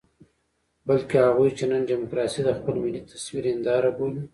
بلکې هغوی چې نن ډيموکراسي د خپل ملي تصوير هنداره بولي.